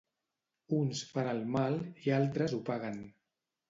Uns fan el mal i altres ho paguen.